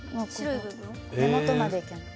根元までいけます。